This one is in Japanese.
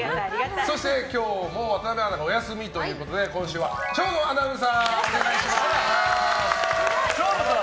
そして今日も渡邊アナがお休みということで今週は生野アナウンサーお願いいたします。